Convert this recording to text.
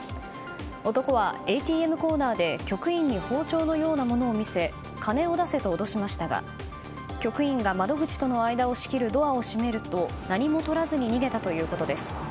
男はＡＴＭコーナーで局員に包丁のようなものを見せ金を出せと脅しましたが局員が窓口との間を仕切るドアを閉めると何もとらずに逃げたということです。